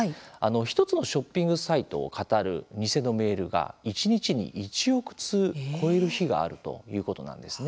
１つのショッピングサイトをかたる、偽のメールが一日に１億通、超える日があるということなんですね。